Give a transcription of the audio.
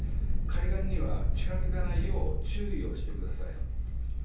海岸には近づかないよう注意をしてください。